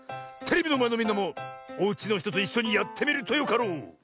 テレビのまえのみんなもおうちのひとといっしょにやってみるとよかろう。